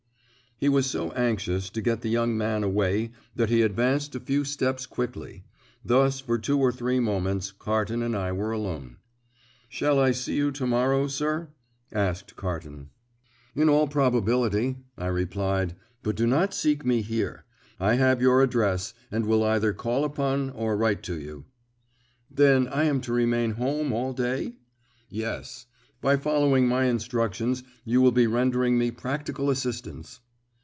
He was so anxious to get the young man away that he advanced a few steps quickly; thus for two or three moments Carton and I were alone. "Shall I see you to morrow, sir," asked Carton. "In all probability," I replied; "but do not seek me here. I have your address, and will either call upon or write to you." "Then I am to remain home all day?" "Yes. By following my instructions you will be rendering me practical assistance."